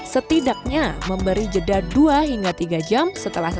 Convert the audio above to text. setidaknya memberi jeda dua hingga tiga jam setelah tidur